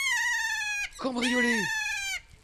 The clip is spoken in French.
Cambriolé !